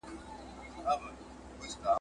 په زړو کفن کښانو پسي ژاړو `